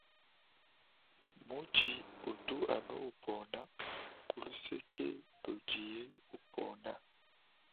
Mutshi utu anu upona kuluseke ludiye upona.